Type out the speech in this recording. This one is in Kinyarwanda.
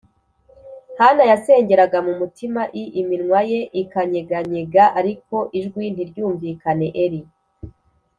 Hana yasengeraga mu mutima l iminwa ye ikanyeganyega ariko ijwi ntiryumvikane Eli